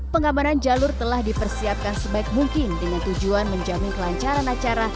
pengamanan jalur telah dipersiapkan sebaik mungkin dengan tujuan menjamin kelancaran acara